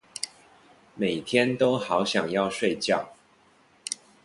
每天都好想要睡覺